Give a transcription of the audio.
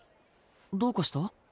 どうかした？